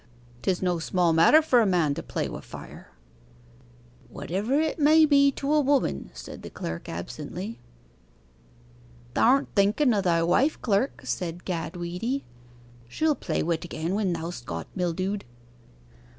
'Tis no small matter for a man to play wi' fire.' 'Whatever it may be to a woman,' said the clerk absently. 'Thou'rt thinken o' thy wife, clerk,' said Gad Weedy. 'She'll play wi'it again when thou'st got mildewed.